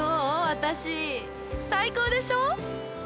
私最高でしょ？